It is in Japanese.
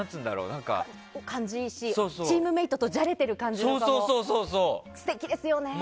感じがいいし、チームメートとじゃれてる感じとかも素敵ですよね。